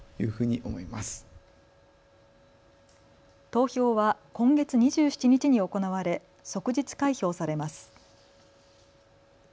投票は今月２７日に行われ即日開票されます。